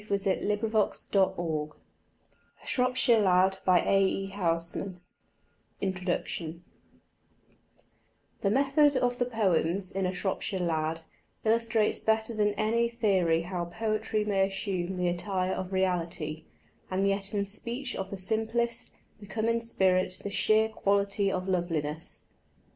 Housman Introduction by William Stanley Braithwaite 1919 INTRODUCTION The method of the poems in _ A Shropshire Lad _ illustrates better than any theory how poetry may assume the attire of reality, and yet in speech of the simplest, become in spirit the sheer quality of loveliness.